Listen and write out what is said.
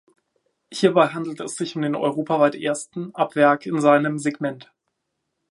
Hierbei handelt es sich um den europaweit ersten ab Werk in seinem Segment.